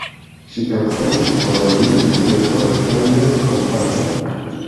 Ŝi eksentis por li tre fortan kompaton.